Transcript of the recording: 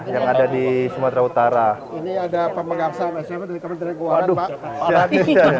yang ada di sumatera utara ini ada pemegang saham sma dari kementerian keuangan pak